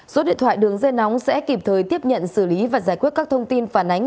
số điện thoại đường dây nóng sẽ kịp thời tiếp nhận xử lý và giải quyết các thông tin phản ánh